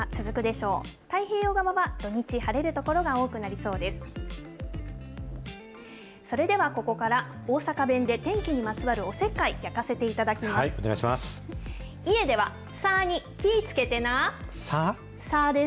それではここから、大阪弁で天気にまつわるおせっかいやかせていただきます。